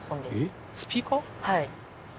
はい。